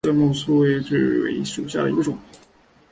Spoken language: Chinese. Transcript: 盾叶粗筒苣苔为苦苣苔科粗筒苣苔属下的一个种。